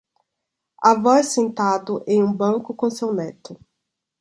Avós sentado em um banco com seu neto.